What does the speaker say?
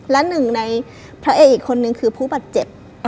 และหนึ่งในพระเอกอีกคนนึงคือผู้บาดเจ็บ